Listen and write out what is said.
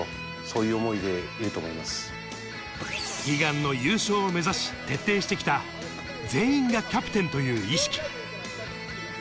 悲願の優勝を目指し、徹底してきた全員がキャプテンという意識。